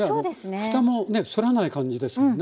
ふたも反らない感じですもんね。